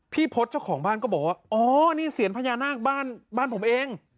พศเจ้าของบ้านก็บอกว่าอ๋อนี่เสียงพญานาคบ้านบ้านผมเอง